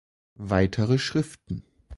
Weitere Schriften